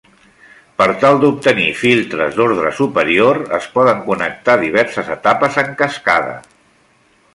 Per tal d'obtenir filtres d'ordre superior es poden connectar diverses etapes en cascada.